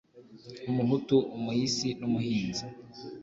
umuhutu umuhisi n’umuhinzi